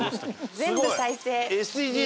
全部再生。